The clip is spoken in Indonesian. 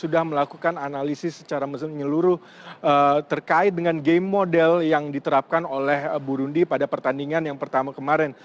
dan juga analisis secara meseluruh terkait dengan game model yang diterapkan oleh burundi pada pertandingan yang pertama kemarin